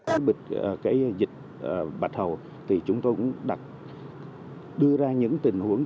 với dịch bạch hầu chúng tôi cũng đặt đưa ra những tình huống